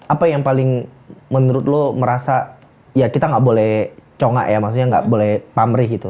apa yang paling menurut lo merasa ya kita nggak boleh conga ya maksudnya nggak boleh pamrih gitu